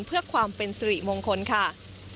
เพื่อความเป็นสิริมงคลค่ะ